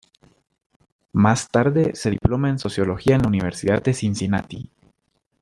Más tarde se diploma en sociología en la Universidad de Cincinnati.